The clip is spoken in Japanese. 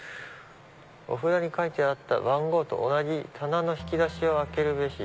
お札に書いてあった番号と同じ棚の引き出しを開けるべし。